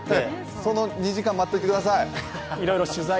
その２時間待っといてください。